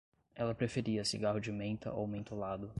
Ela preferia cigarro de menta ou mentolado